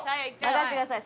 任せてください。